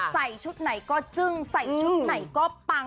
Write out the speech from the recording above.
ใส่ชุดไหนก็จึ้งใส่ชุดไหนก็ปัง